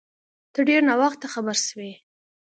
ته ډیر ناوخته خبر سوی